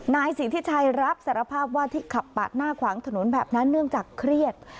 นายสิทธิชัยรับสารภาพว่าที่ขับปาดหน้าขวางถนนแบบนั้นเนื่องจากเครียด